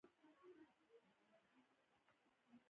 انا د سړي درد احساسوي